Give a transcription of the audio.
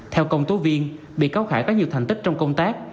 theo công tố viên bị cáo khải có nhiều thành tích trong công tác